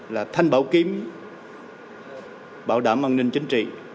là thanh bảo kiếm bảo đảm an ninh chính trị